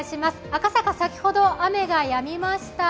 赤坂、先ほど雨がやみました。